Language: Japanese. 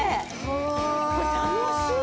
これ楽しい！